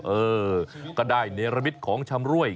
เออก็ได้เนรมิตของชำรวย